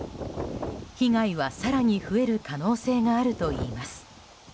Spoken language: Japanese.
被害は更に増える可能性があるといいます。